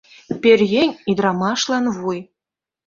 Пӧръеҥ — ӱдырамашлан вуй.